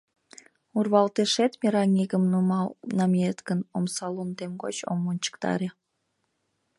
Урвалтешет мераҥигым нумал намиет гын, омса лондем гоч ом вончыктаре...